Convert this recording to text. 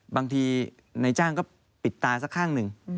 บางทีนายจ้างก็ปิดตาสักข้างหนึ่ง